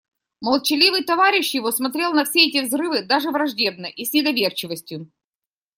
Молчаливый товарищ его смотрел на все эти взрывы даже враждебно и с недоверчивостью.